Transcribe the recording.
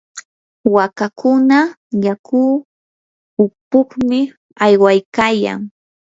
waakakuna yaku upuqmi aywaykayan.